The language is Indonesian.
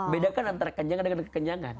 bedakan antara kenyangan dengan kekenyangan